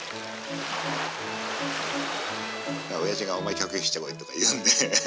おやじが「お前客引きしてこい」とか言うんで。